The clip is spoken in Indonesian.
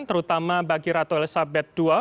terutama bagi ratu elizabeth ii